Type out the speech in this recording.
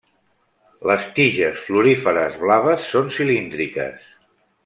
Les tiges floríferes blaves són cilíndriques.